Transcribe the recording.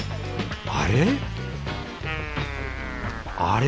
あれ？